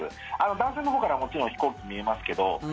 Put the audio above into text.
男性のほうからももちろん、飛行機見えますけど。